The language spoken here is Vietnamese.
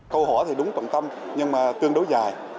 câu hỏi thì đúng trọng tâm nhưng mà tương đối dài